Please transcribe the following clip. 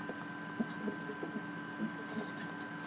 新家落成亲戚都来了